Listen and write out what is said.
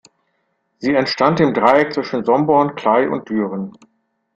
Sie entstand im Dreieck zwischen Somborn, Kley und Düren.